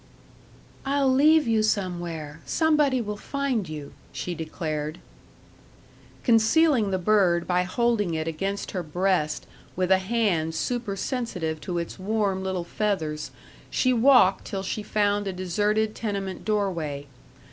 "I'll leave you somewhere. Somebody will find you," she declared. Concealing the bird by holding it against her breast with a hand supersensitive to its warm little feathers, she walked till she found a deserted tenement doorway.